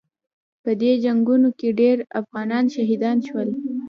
په دې جنګونو کې ډېر افغانان شهیدان شول.